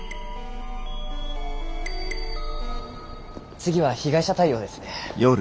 次は被害者対応ですね。